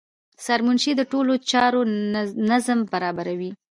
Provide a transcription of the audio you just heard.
سرمنشي د ټولو چارو نظم برابروي.